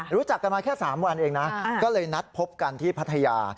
รู้จักกันมาแค่๓วันเองนะก็เลยนัดพบกันที่พัทยา